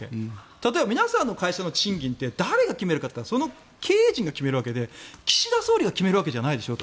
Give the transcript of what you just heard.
例えば、皆さんの会社の賃金って誰が決めるかといったらその経営陣が決めるわけで岸田総理が決めるわけじゃないでしょと。